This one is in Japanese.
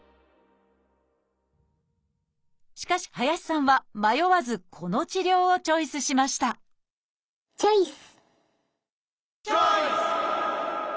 しかし林さんは迷わずこの治療をチョイスしましたチョイス！